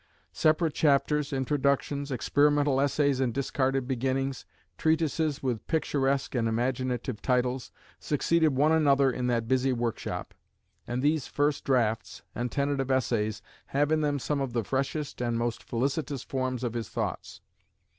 Separate chapters, introductions, "experimental essays and discarded beginnings," treatises with picturesque and imaginative titles, succeeded one another in that busy work shop; and these first drafts and tentative essays have in them some of the freshest and most felicitous forms of his thoughts.